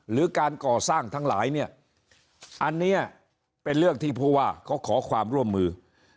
หรือการก่อสร้างทั้งหลายเนี่ยอันนี้เป็นเรื่องที่ผู้ว่าเขาขอความร่วมมือ